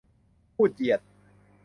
พูดเหยียด